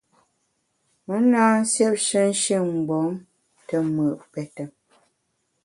Me na nsiêpshe nshin-mgbom te mùt pète.